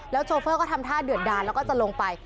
โชเฟอร์ก็ทำท่าเดือดดานแล้วก็จะลงไป